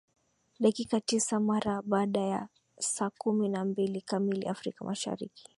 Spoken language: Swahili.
dakika tisa mara baada ya saa kumi na mbili kamili afrika mashariki